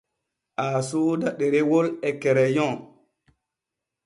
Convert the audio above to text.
Aa sooda ɗerewol e kereyon.